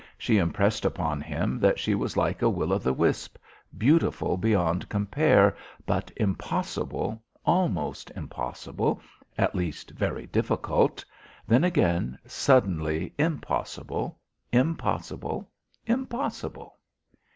She impressed upon him that she was like a will o' the wisp, beautiful beyond compare but impossible, almost impossible, at least very difficult; then again, suddenly, impossible impossible impossible.